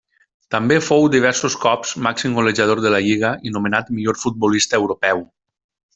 També fou diversos cops màxim golejador de la lliga i nomenat millor futbolista europeu.